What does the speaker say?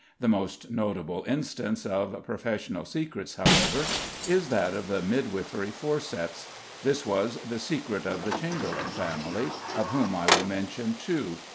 The most notable instance of "professional secrets," however, is that of the midwifery forceps. This was the secret of the Chamberlen family, of whom I will mention two.